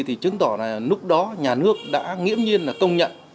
thì chứng tỏ là lúc đó nhà nước đã nghiễm nhiên là công nhận